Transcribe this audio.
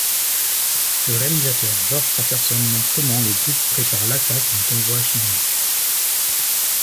Le réalisateur George Patterson montre comment le groupe prépare l'attaque d'un convoi chinois.